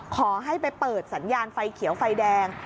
ขอให้ไปเปิดสัญญาณไฟเขียวไฟแดง